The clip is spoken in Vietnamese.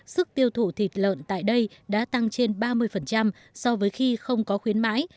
sức tiêu thụ thịt lợn tại đây đã tăng trên ba mươi so với khi không có khuyến mãi